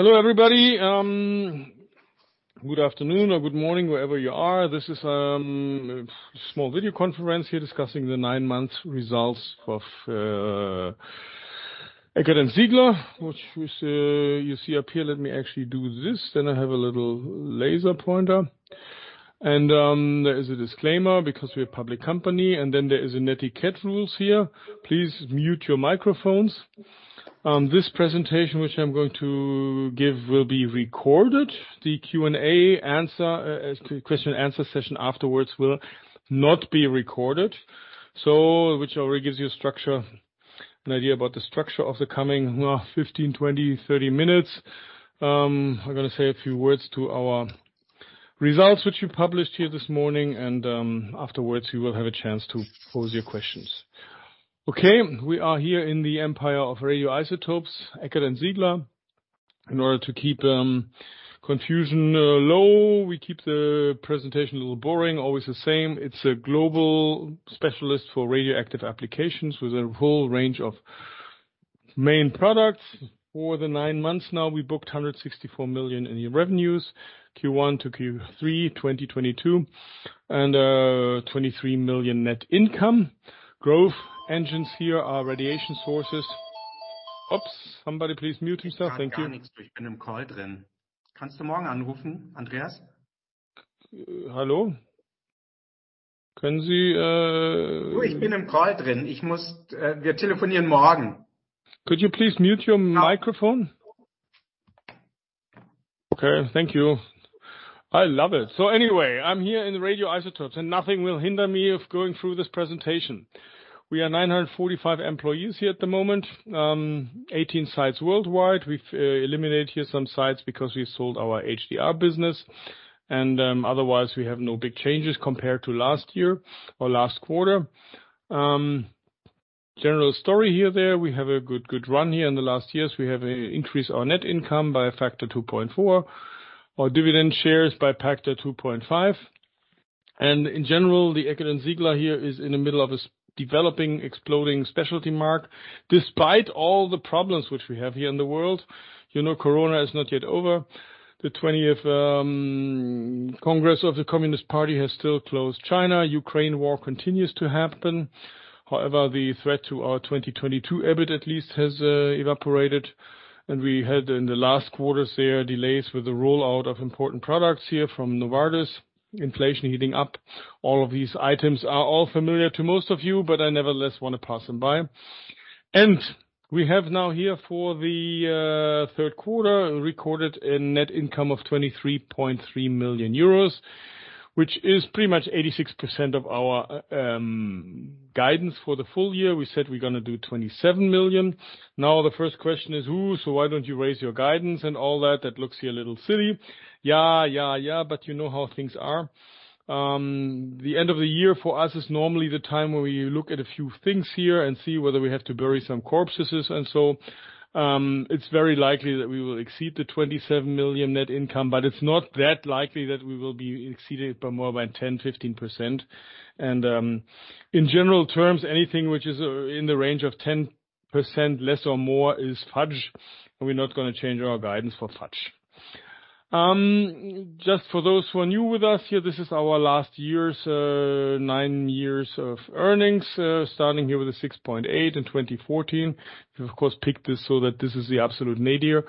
Hello everybody. Good afternoon or good morning, wherever you are. This is a small video conference here discussing the 9-month results of Eckert & Ziegler, which you see up here. Let me actually do this, then I have a little laser pointer. There is a disclaimer because we're a public company, and then there is a netiquette rules here. Please mute your microphones. This presentation which I'm going to give will be recorded. The Q&A question, answer session afterwards will not be recorded. Which already gives you an idea about the structure of the coming 15, 20, 30 minutes. I'm going to say a few words to our results, which we published here this morning. Afterwards, you will have a chance to pose your questions. Okay, we are here in the empire of radioisotopes, Eckert & Ziegler. In order to keep confusion low, we keep the presentation a little boring, always the same. It's a global specialist for radioactive applications with a whole range of main products. For the 9 months now, we booked 164 million in revenues, Q1 to Q3 2022, 23 million net income. Growth engines here are radiation sources. Oops. Somebody please mute himself. Thank you. Hello? Could you please mute your microphone? Okay. Thank you. I love it. I'm here in the radioisotopes, nothing will hinder me of going through this presentation. We are 945 employees here at the moment, 18 sites worldwide. We've eliminated here some sites because we sold our HDR business. Otherwise, we have no big changes compared to last year or last quarter. General story here there, we have a good run here in the last years. We have increased our net income by a factor 2.4, our dividend shares by factor 2.5. In general, the Eckert & Ziegler here is in the middle of a developing, exploding specialty mark, despite all the problems which we have here in the world. You know, Corona is not yet over. The 20th Congress of the Communist Party has still closed China. Ukraine war continues to happen. However, the threat to our 2022 EBIT at least has evaporated. We had in the last quarters there delays with the rollout of important products here from Novartis, inflation heating up. All of these items are all familiar to most of you. I nevertheless want to pass them by. We have now here for the third quarter recorded a net income of 23.3 million euros, which is pretty much 86% of our guidance for the full year. We said we're going to do 27 million. The first question is, ooh, why don't you raise your guidance and all that? That looks here a little silly. You know how things are. The end of the year for us is normally the time where we look at a few things here and see whether we have to bury some corpses. It's very likely that we will exceed the 27 million net income. It's not that likely that we will be exceeded by more than 10%-15%. In general terms, anything which is in the range of 10% less or more is fudge. We're not going to change our guidance for fudge. Just for those who are new with us here, this is our last years, 9 years of earnings, starting here with a 6.8 in 2014. We've, of course, picked this so that this is the absolute nadir.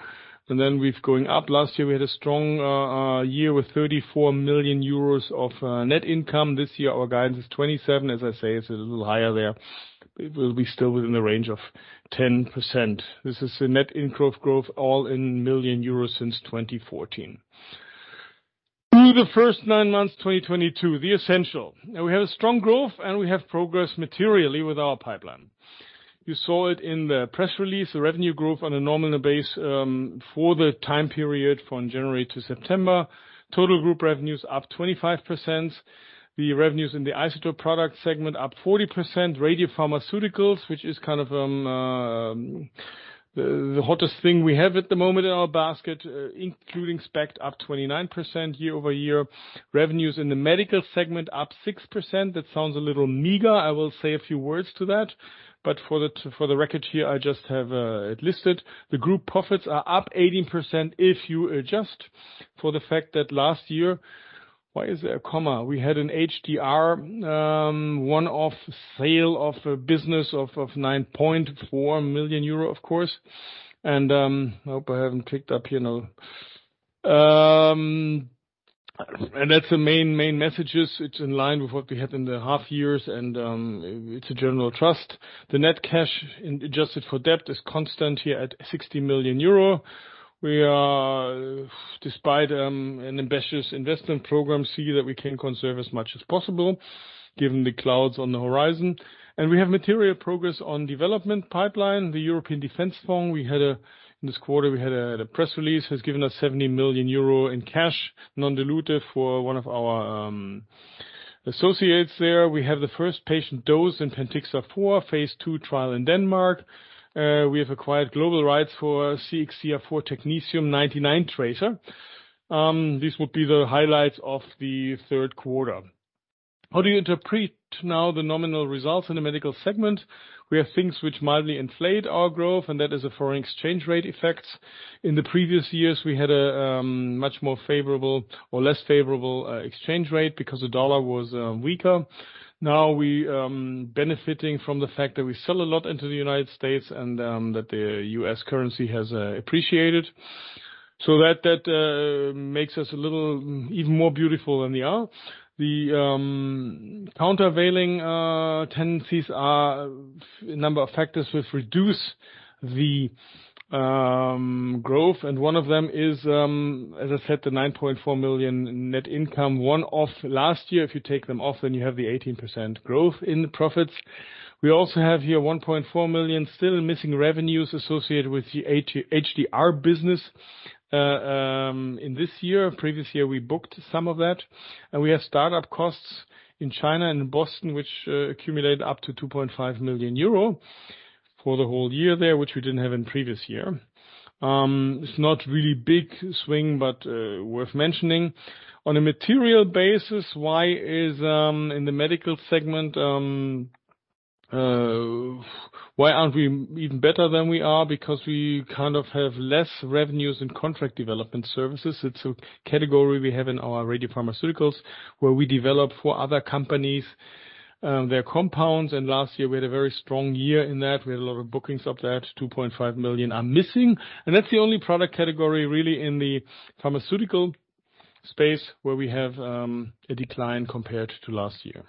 With going up last year, we had a strong year with 34 million euros of net income. This year, our guidance is 27. As I say, it's a little higher there, but we'll be still within the range of 10%. This is the net income growth all in million EUR since 2014. Through the first nine months 2022, the essential. We have a strong growth and we have progressed materially with our pipeline. You saw it in the press release, the revenue growth on a nominal base, for the time period from January to September. Total group revenues up 25%. The revenues in the isotope product segment up 40%. Radiopharmaceuticals, which is kind of the hottest thing we have at the moment in our basket, including SPECT, up 29% year-over-year. Revenues in the medical segment up 6%. That sounds a little meager. I will say a few words to that. For the record here, I just have it listed. The group profits are up 18% if you adjust for the fact that last year-- Why is there a comma? We had an HDR, one-off sale of a business of 9.4 million euro, of course. I hope I haven't clicked up here now. That's the main messages. It's in line with what we had in the half years, and it's a general trust. The net cash adjusted for debt is constant here at 60 million euro. We are, despite an ambitious investment program, see that we can conserve as much as possible given the clouds on the horizon. We have material progress on development pipeline. The European Defense Fund, in this quarter we had a press release, has given us 70 million euro in cash, non-dilutive for one of our associates there. We have the first patient dose in Pentixafor, phase II trial in Denmark. We have acquired global rights for CXCR4 Technetium-99 tracer. These would be the highlights of the third quarter. How do you interpret now the nominal results in the medical segment? We have things which mildly inflate our growth, and that is a foreign exchange rate effect. In the previous years, we had a much more favorable or less favorable exchange rate because the U.S. dollar was weaker. We're benefiting from the fact that we sell a lot into the U.S. and that the U.S. currency has appreciated. That makes us a little even more beautiful than we are. The countervailing tendencies are a number of factors which reduce the growth, and one of them is, as I said, the 9.4 million net income one-off last year. If you take them off, then you have the 18% growth in the profits. We also have here 1.4 million still in missing revenues associated with the HDR business in this year. Previous year, we booked some of that. We have start-up costs in China and Boston, which accumulated up to 2.5 million euro for the whole year there, which we didn't have in previous year. It's not really big swing, but worth mentioning. On a material basis, why is in the medical segment, why aren't we even better than we are? Because we have less revenues in contract development services. It's a category we have in our radiopharmaceuticals, where we develop for other companies their compounds. Last year, we had a very strong year in that. We had a lot of bookings of that. 2.5 million are missing. That's the only product category really in the pharmaceutical space where we have a decline compared to last year.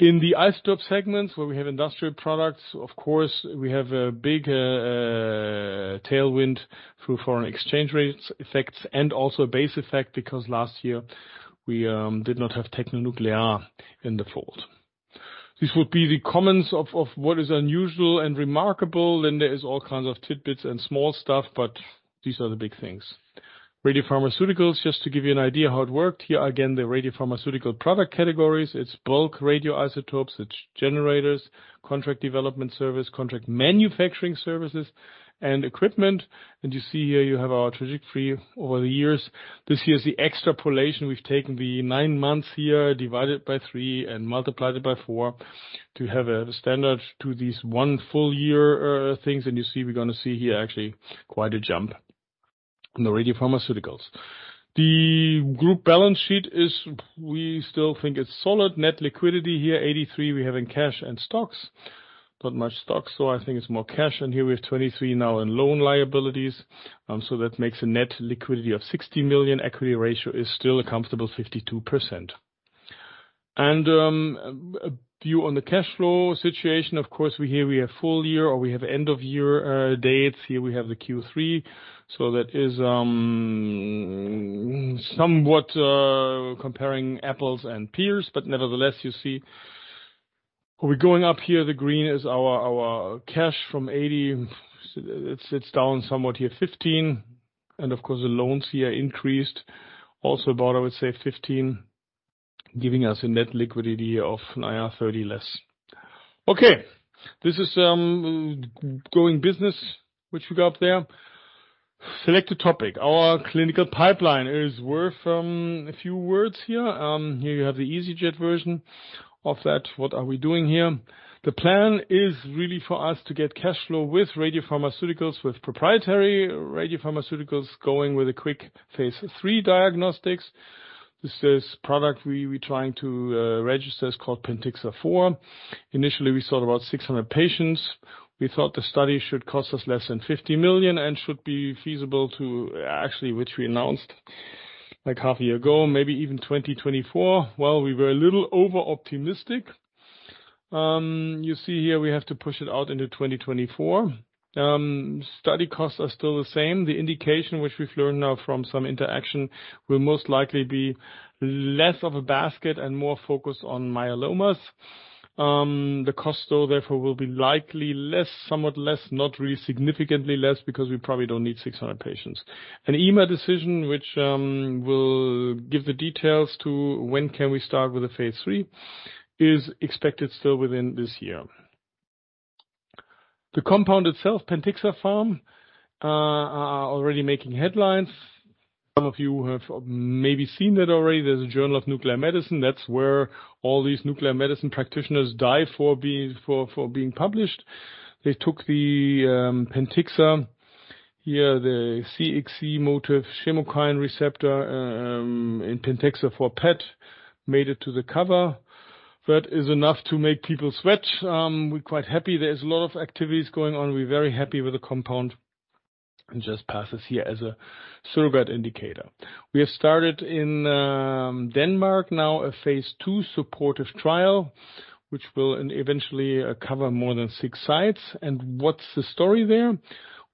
In the isotope segments, where we have industrial products, of course, we have a big tailwind through foreign exchange rates effects and also a base effect because last year we did not have Tecnonuclear in the fold. This would be the comments of what is unusual and remarkable, and there is all kinds of tidbits and small stuff, but these are the big things. Radiopharmaceuticals, just to give you an idea how it worked. Here again, the radiopharmaceutical product categories. It's bulk radioisotopes, it's generators, contract development service, contract manufacturing services, and equipment. You see here you have our trajectory over the years. This year is the extrapolation. We've taken the 9 months here, divided by three and multiplied it by four to have a standard to these one full year things. You see we're going to see here actually quite a jump in the radiopharmaceuticals. The group balance sheet is, we still think it's solid. Net liquidity here, 83 million we have in cash and stocks. Not much stocks, so I think it's more cash. Here we have 23 million now in loan liabilities. That makes a net liquidity of 60 million. Equity ratio is still a comfortable 52%. A view on the cash flow situation, of course, here we have full year or we have end-of-year dates. Here we have the Q3. That is somewhat comparing apples and pears, but nevertheless, you see we're going up here. The green is our cash from 80 million. It's down somewhat here, 15 million. Of course, the loans here increased also about, I would say, 15 million, giving us a net liquidity of 30 million less. Okay. This is going business, which we got up there. Select a topic. Our clinical pipeline is worth a few words here. Here you have the EasyJet version of that. What are we doing here? The plan is really for us to get cash flow with radiopharmaceuticals, with proprietary radiopharmaceuticals going with a quick phase III diagnostics. This is product we're trying to register. It's called Pentixafor. Initially, we thought about 600 patients. We thought the study should cost us less than 50 million and should be feasible, actually, which we announced like half a year ago, maybe even 2024. Well, we were a little over-optimistic. You see here we have to push it out into 2024. Study costs are still the same. The indication, which we've learned now from some interaction, will most likely be less of a basket and more focused on myelomas. The cost, though, therefore, will be likely less, somewhat less, not really significantly less, because we probably don't need 600 patients. An EMA decision, which will give the details to when can we start with the phase III, is expected still within this year. The compound itself, Pentixafor, are already making headlines. Some of you have maybe seen it already. There's a Journal of Nuclear Medicine. That's where all these nuclear medicine practitioners die for being published. They took the Pentixafor here, the CXCR4 chemokine receptor in Pentixafor for PET, made it to the cover. That is enough to make people switch. We're quite happy. There's a lot of activities going on. We're very happy with the compound, just passes here as a surrogate indicator. We have started in Denmark now a phase II supportive trial, which will eventually cover more than six sites. What's the story there?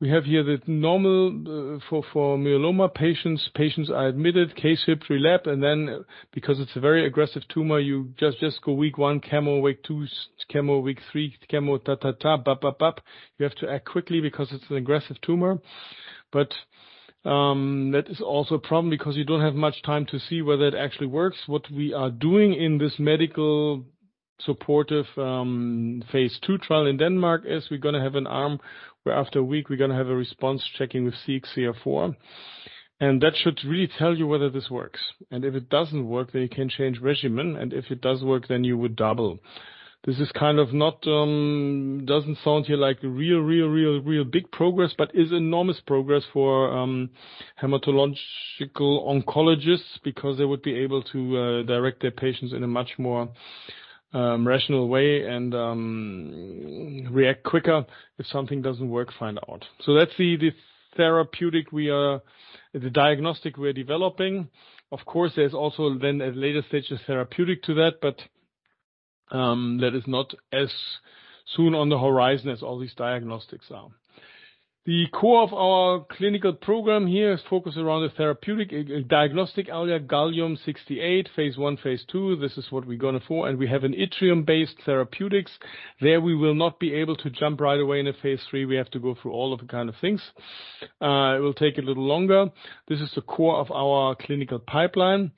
We have here the normal for myeloma patients. Patients are admitted, case hip relapse, and then because it's a very aggressive tumor, you just go week one, chemo, week two, chemo, week three, chemo, ta ta ta, ba ba ba. You have to act quickly because it's an aggressive tumor. That is also a problem because you don't have much time to see whether it actually works. What we are doing in this medical supportive phase II trial in Denmark is we're going to have an arm where after a week, we're going to have a response checking with CXCR4, and that should really tell you whether this works. If it doesn't work, then you can change regimen. If it does work, then you would double. This doesn't sound like a real big progress, but is enormous progress for hematological oncologists because they would be able to direct their patients in a much more rational way and react quicker if something doesn't work, find out. That's the diagnostic we're developing. Of course, there's also then at later stages, therapeutic to that, but that is not as soon on the horizon as all these diagnostics are. The core of our clinical program here is focused around the therapeutic, diagnostic area, gallium-68, phase I, phase II. This is what we're going for. We have an yttrium-based therapeutics. There, we will not be able to jump right away into phase III. We have to go through all of the kind of things. It will take a little longer. This is the core of our clinical pipeline.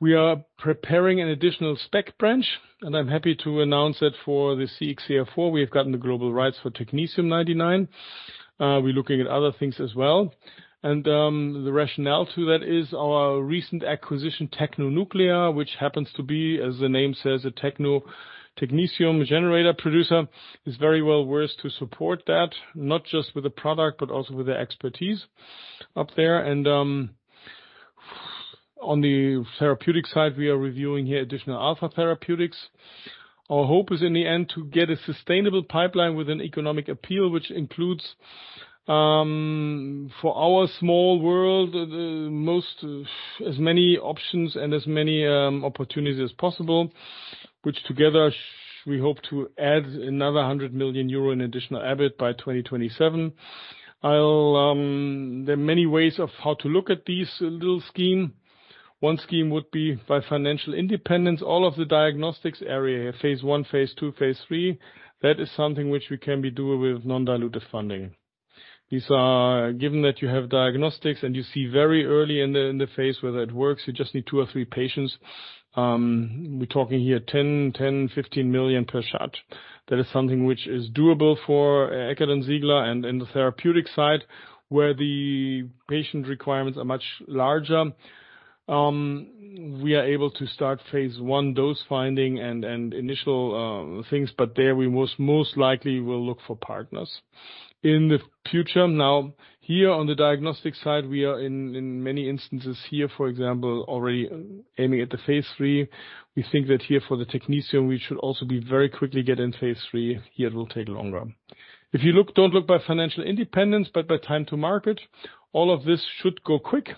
We are preparing an additional SPECT branch. I'm happy to announce that for the CXCR4, we have gotten the global rights for Technetium-99. We're looking at other things as well. The rationale to that is our recent acquisition, Tecnonuclear, which happens to be, as the name says, a technetium generator producer, is very well-versed to support that, not just with the product, but also with the expertise up there. On the therapeutic side, we are reviewing here additional alpha therapeutics. Our hope is, in the end, to get a sustainable pipeline with an economic appeal, which includes, for our small world, as many options and as many opportunities as possible, which together, we hope to add another 100 million euro in additional EBIT by 2027. There are many ways of how to look at this little scheme. One scheme would be by financial independence, all of the diagnostics area, phase I, phase II, phase III. That is something which we can be doing with non-dilutive funding. Given that you have diagnostics and you see very early in the phase whether it works, you just need two or three patients. We're talking here 10 million, 15 million per shot. That is something which is doable for Eckert & Ziegler, and in the therapeutic side, where the patient requirements are much larger. We are able to start phase I dose finding and initial things, but there, we most likely will look for partners in the future. Here on the diagnostic side, we are in many instances here, for example, already aiming at the phase III. We think that here for the technetium, we should also very quickly get in phase III. Here, it will take longer. If you don't look by financial independence, but by time to market, all of this should go quick.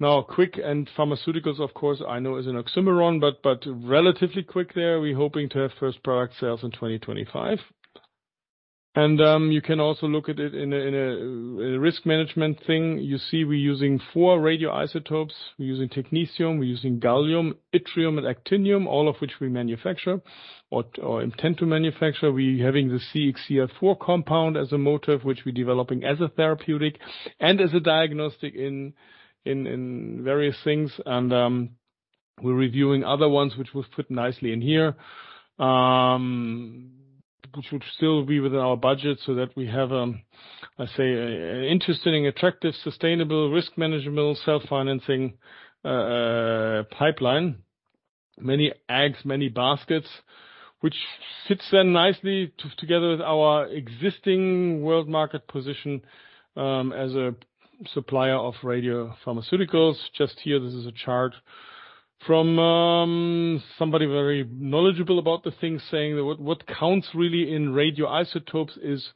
Now, quick and pharmaceuticals, of course, I know is an oxymoron, but relatively quick there. We're hoping to have first product sales in 2025. You can also look at it in a risk management thing. We're using 4 radioisotopes. We're using technetium, we're using gallium, yttrium, and actinium, all of which we manufacture or intend to manufacture. We're having the CXCR4 compound as a motive, which we're developing as a therapeutic and as a diagnostic in various things. We're reviewing other ones, which we've put nicely in here, which would still be within our budget so that we have, I say, an interesting, attractive, sustainable, risk manageable, self-financing pipeline. Many eggs, many baskets, which fits in nicely together with our existing world market position as a supplier of radiopharmaceuticals. Just here, this is a chart from somebody very knowledgeable about the things, saying that what counts really in radioisotopes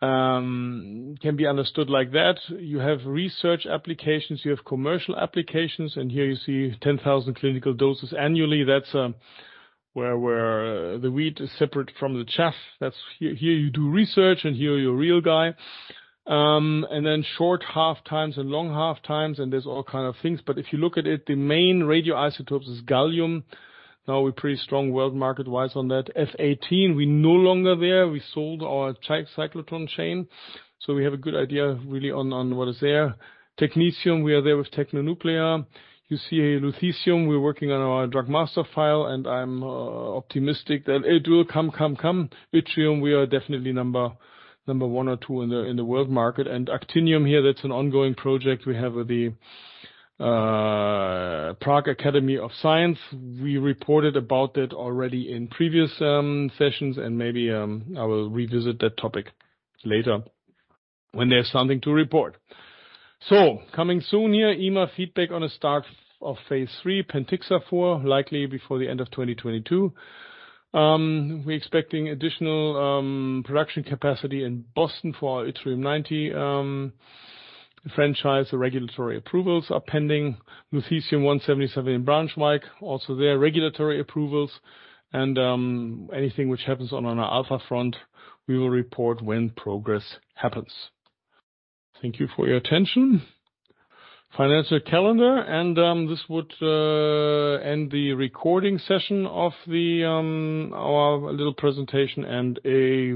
can be understood like that. Research applications, commercial applications, and here you see 10,000 clinical doses annually. That's where the wheat is separate from the chaff. Here, you do research, and here, you're a real guy. Short half-times and long half-times, there's all kind of things. If you look at it, the main radioisotopes is gallium. We're pretty strong world market-wise on that. F-18, we're no longer there. We sold our cyclotron chain. We have a good idea really on what is there. Technetium, we are there with Tecnonuclear. Lutetium, we're working on our Drug Master File, and I'm optimistic that it will come. Yttrium, we are definitely number 1 or 2 in the world market. Actinium here, that's an ongoing project we have with the Prague Academy of Science. We reported about it already in previous sessions, maybe I will revisit that topic later when there's something to report. Coming soon here, EMA feedback on a start of phase III, Pentixafor, likely before the end of 2022. We're expecting additional production capacity in Boston for our yttrium-90 franchise. The regulatory approvals are pending. Lutetium-177 in Braunschweig, also their regulatory approvals. Anything which happens on our alpha front, we will report when progress happens. Thank you for your attention. Financial calendar, this would end the recording session of our little presentation,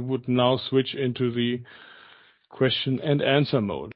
would now switch into the question and answer mode.